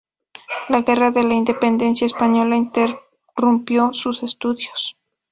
La Guerra de la Independencia Española interrumpió sus estudios.